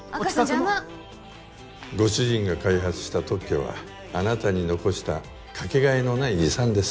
邪魔ご主人が開発した特許はあなたに残したかけがえのない遺産です